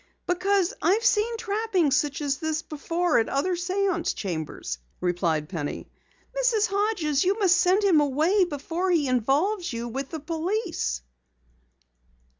"Because I've seen trappings such as these before at other séance chambers," replied Penny. "Mrs. Hodges, you must send him away before he involves you with the police."